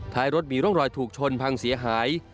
ท้ายรถมีร่องรอยถูกชนพังเสียหาย